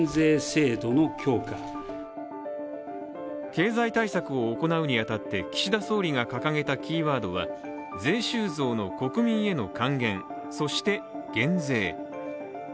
経済対策を行うに当たって岸田総理が掲げたキーワードは税収増の国民への還元、そして減税。